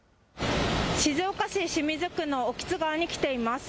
静岡市清水区の興津川に来ています。